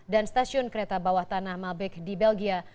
dan stasiun kereta bawah tanah malbik di belgia